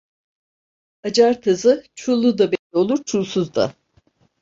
Acar tazı çullu da belli olur, çulsuz da.